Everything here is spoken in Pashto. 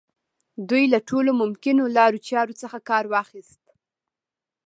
دوی له ټولو ممکنو لارو چارو څخه کار واخيست.